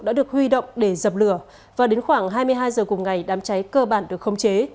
đã được huy động để dập lửa và đến khoảng hai mươi hai giờ cùng ngày đám cháy cơ bản được khống chế